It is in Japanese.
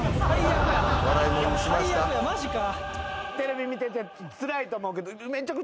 最悪やマジか。